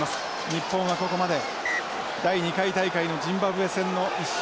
日本はここまで第２回大会のジンバブエ戦の１勝。